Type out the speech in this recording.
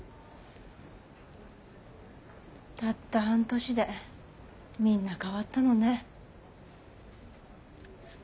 たった半年でみんな変わったのね。